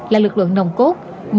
là lực lượng nồng cốt